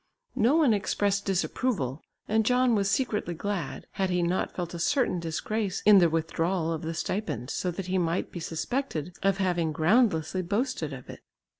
No one expressed disapproval, and John was secretly glad, had he not felt a certain disgrace in the withdrawal of the stipend, so that he might be suspected of having groundlessly boasted of it.